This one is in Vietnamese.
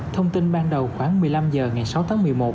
thông tin ban đầu khoảng một mươi năm h ngày sáu tháng một mươi một